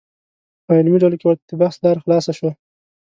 په علمي ډلو کې ورته د بحث لاره خلاصه شوه.